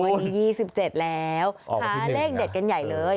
วันนี้ยี่สิบเจ็ดแล้วออกมาที่หนึ่งหาเลขเด็ดกันใหญ่เลย